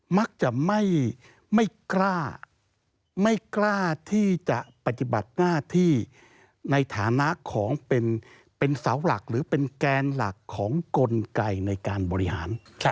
มักจะไม่กล้าไม่กล้าที่จะปฏิบัติหน้าที่ในฐานะของเป็นเสาหลักหรือเป็นแกนหลักของกลไกในการบริหาร